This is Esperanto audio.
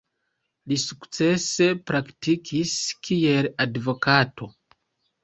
Li sukcese praktikis kiel advokato.